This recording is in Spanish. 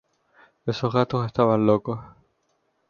Esos gatos estaban locos.